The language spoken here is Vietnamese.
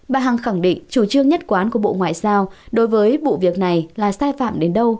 bà hằng khẳng định chủ trương nhất quán của bộ ngoại giao đối với vụ việc này là sai phạm đến đâu